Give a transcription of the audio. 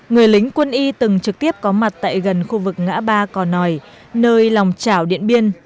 người lính quân y từng trực tiếp có mặt tại gần khu vực ngã ba cò nòi nơi lòng trảo điện biên